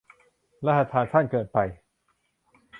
รหัสผ่านสั้นเกินไป